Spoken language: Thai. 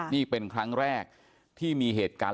นี่เป็นครั้งแรกที่มีเหตุการณ์